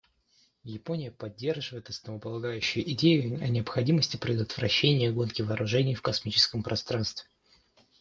Япония поддерживает основополагающую идею о необходимости предотвращения гонки вооружений в космическом пространстве.